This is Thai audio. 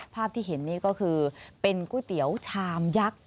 ภาพที่เห็นนี่ก็คือเป็นก๋วยเตี๋ยวชามยักษ์